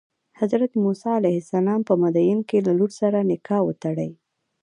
حضرت موسی علیه السلام په مدین کې له لور سره نکاح وتړي.